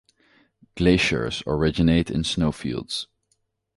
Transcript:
Glaciers originate in snowfields.